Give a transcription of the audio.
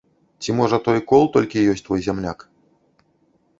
Ці, можа, той кол толькі ёсць твой зямляк?